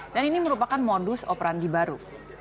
dan ini merupakan modus operandi baru